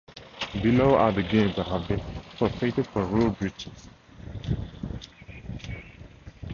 Below are the games that have been forfeited for rule breaches.